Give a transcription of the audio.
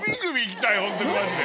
ホントにマジで。